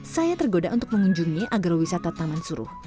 saya tergoda untuk mengunjungi agrowisata taman suruh